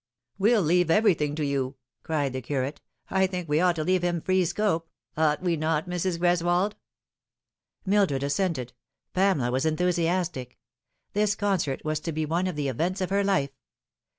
" We'll leave everything to you," cried the curate. " I think we ought to leave him free scope ; ought we not, Mrs. Gres wold ?" Mildred assented. Pamela was enthusiastic. This concert was to be one of the events of her life.